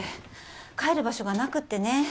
帰る場所がなくってね。